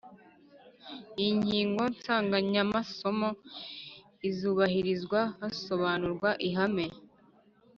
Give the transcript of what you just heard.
Iyi ngingo nsanganyamasomo izubahirizwa hasobanurwa ihame